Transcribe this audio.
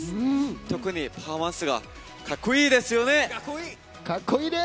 特にパフォーマンスがカッコイイですよね。